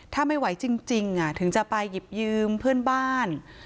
ถ้าไม่ไหวจริงถึงจะไปหยิบยืมเพื่อนบ้าน